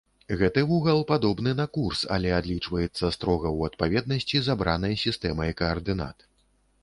Гэты вугал падобны на курс, але адлічваецца строга ў адпаведнасці з абранай сістэмай каардынат.